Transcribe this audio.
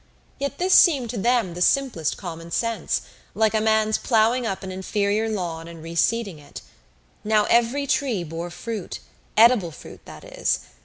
Yet this seemed to them the simplest common sense, like a man's plowing up an inferior lawn and reseeding it. Now every tree bore fruit edible fruit, that is.